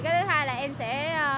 cái thứ hai là em sẽ